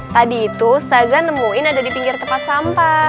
tadi itu stazan nemuin ada di pinggir tempat sampah